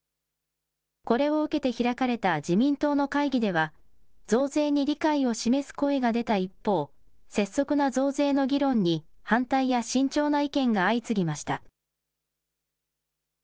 これを受けて開かれた自民党の会議では、増税に理解を示す声が出た一方、拙速な増税の議論に反対や慎重な意見が相次ぎました。